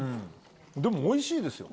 でもおいしいですよ。